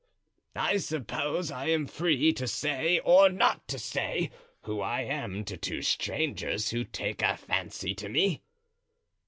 "I suppose I am free to say or not to say who I am to two strangers who take a fancy to ask me."